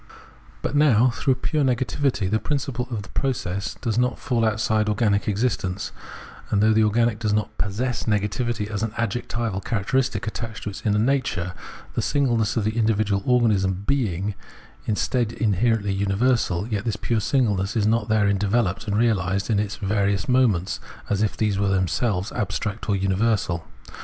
But now, though pure negativity, the principle of the process, does not fall outside organic existence, and though the organic does not possess negativity as an adjectival characteristic attached to its inner nature, the singleness of the individual organism being instead inherently universal, yet this pure singleness is not therein developed and reahsed in its various moments as if these were themselves abstract or universal.